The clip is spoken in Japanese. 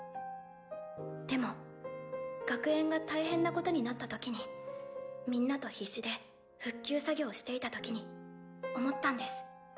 でも学園が大変なことになったときにみんなと必死で復旧作業をしていたときに思ったんです。